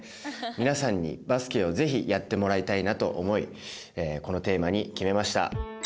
皆さんにバスケを是非やってもらいたいなと思いこのテーマに決めました。